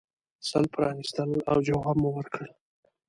سل پرانیستل او جواب مو ورکړ.